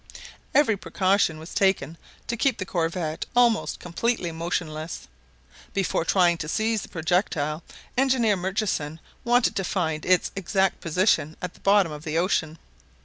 Every precaution was taken to keep the corvette almost completely motionless. Before trying to seize the projectile, Engineer Murchison wanted to find its exact position at the bottom of the ocean.